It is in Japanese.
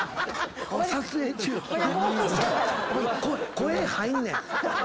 声入んねん。